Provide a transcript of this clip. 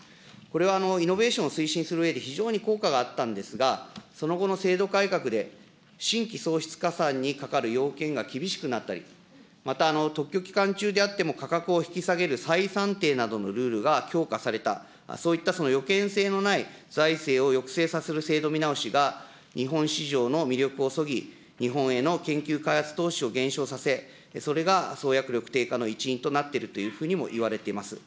これはイノベーションを推進するうえで、非常に効果があったんですが、その後の制度改革で、新規創出加算にかかる要件が厳しくなったり、また特許期間中であっても、価格を引き下げる再算定などのルールが強化された、そういった予見性のない財政を抑制させる制度見直しが日本市場の魅力をそぎ、日本への研究開発投資を減少させ、それが創薬力低下の一因となっているというふうにもいわれています。